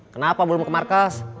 kenapa belum ke markas